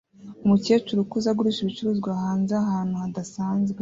Umukecuru ukuze agurisha ibicuruzwa hanze ahantu hadasanzwe